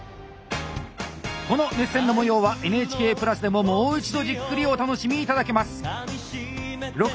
この熱戦の模様は「ＮＨＫプラス」でももう一度じっくりお楽しみ頂けます！